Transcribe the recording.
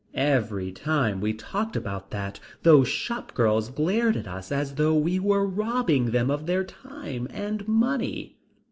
Every time we talked about that those shop girls glared at us as though we were robbing them of their time and money.